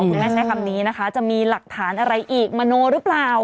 คุณแม่ใช้คำนี้นะคะจะมีหลักฐานอะไรอีกมโนหรือเปล่า